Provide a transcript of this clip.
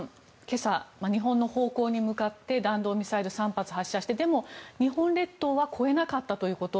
今朝、日本の方向に向かって弾道ミサイル３発発射してでも、日本列島は越えなかったということ。